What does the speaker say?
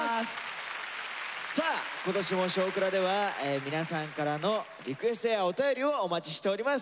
さあ今年も「少クラ」では皆さんからのリクエストやお便りをお待ちしております。